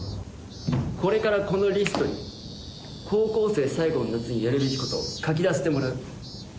これからこのリストに高校生最後の夏にやるべきことを書き出してもらう。